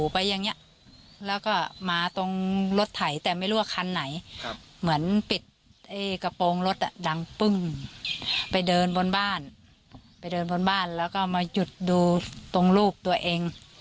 ไปเดินปึ้งไปเดินบนบ้านไปเดินบนบ้านแล้วก็มาหยุดดูตรงรูปตัวเอง